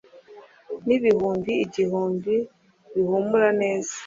n'ibihumbi igihumbi bihumura neza